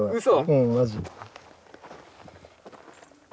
うんマジ。